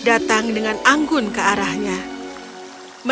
sekarang dengarkan ibu punya kejutan lain untukmu